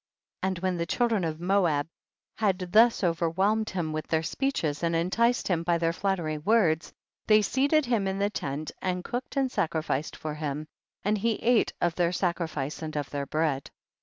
And when the children of Moab had thus overwhelmed him with their speeches, and enticed him by their flattering words, they seated him in the tent and cooked and sacri ficed for him, and he ate of their sa crifice and of their bread.